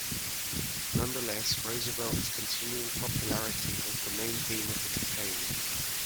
Nonetheless, Roosevelt's continuing popularity was the main theme of the campaign.